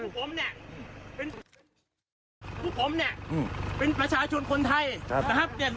พวกผมเป็นประชาชนคนไทยนะครับ